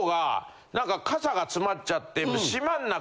何か傘が詰まっちゃって。